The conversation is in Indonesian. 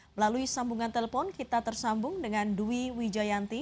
melalui sambungan telepon kita tersambung dengan dwi wijayanti